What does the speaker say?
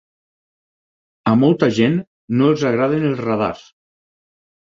A molta gent no els agraden els radars.